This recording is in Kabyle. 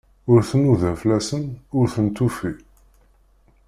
Ur tnuda fell-asen, ur ten-tufi.